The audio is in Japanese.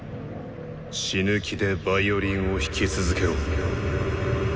死ぬ気でヴァイオリンを弾き続けろ。